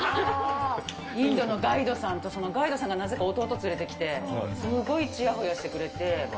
インドのガイドさんと、そのガイドさんがなぜか弟連れてきて、すごいちやほやしてくれて。